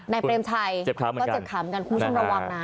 เปรมชัยก็เจ็บขาเหมือนกันคุณผู้ชมระวังนะ